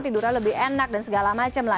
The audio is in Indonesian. tidurnya lebih enak dan segala macam lah